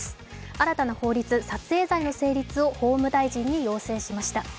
新たな法律、撮影罪の法律を法務大臣に要請しました。